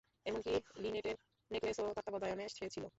এমনকি লিনেটের নেকলেসেরও তত্ত্বাবধায়নে সে ছিল।